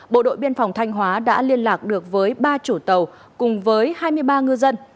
bộ đội biên phòng thanh hóa đã liên lạc được với ba chủ tàu cùng với hai mươi ba ngư dân